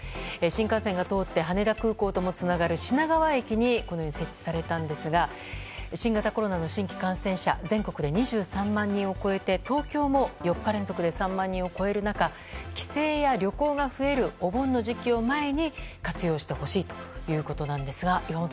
新幹線が通って羽田空港ともつながる品川駅に設置されましたが新型コロナの新規感染者全国で２３万人を超えて東京も４日連続で３万人を超える中帰省や旅行が増えるお盆の時期を前に活用してほしいということですが